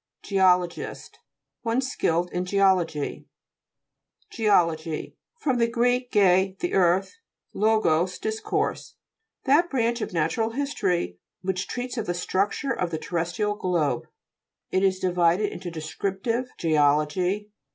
GE'OLOGIST One skilled in geology. GE'OLOGT fr. gr. ge, the earth, lo gos, discourse. That branch of natural history, which treats of the structure of the terrestrial globe. It is divided into descriptive geology?